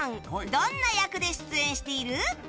どんな役で出演している？